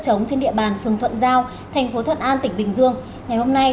trống trên địa bàn phường thuận giao thành phố thuận an tỉnh bình dương ngày hôm nay